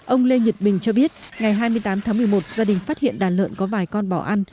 ông lê nhật bình cho biết ngày hai mươi tám tháng một mươi một gia đình phát hiện đàn lợn có vài con bỏ ăn